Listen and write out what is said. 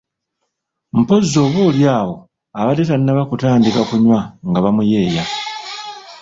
Mpozzi oba oli awo abadde tannaba kutandika kunywa nga bamuyeeya.